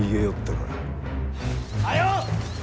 早う！